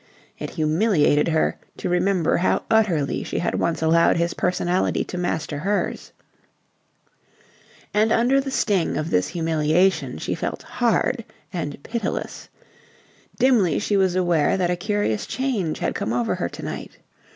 It humiliated her to remember how utterly she had once allowed his personality to master hers. And under the sting of this humiliation she felt hard and pitiless. Dimly she was aware that a curious change had come over her to night.